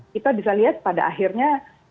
kita bisa lihat pada akhirnya